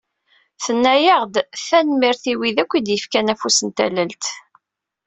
Tenna-aɣ-d: "Tanemmirt i wid akk i aɣ-d-yefkan afus n tallelt."